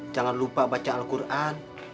jangan lupa baca al quran